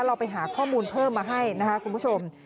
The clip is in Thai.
เราไปหาข้อมูลเพิ่มมาให้นะคะคุณผู้ชม